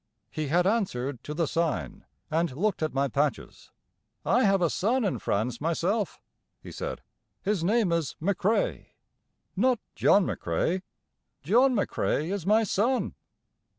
He had answered to the sign, and looked at my patches. "I have a son in France, myself," he said. "His name is McCrae." "Not John McCrae?" "John McCrae is my son."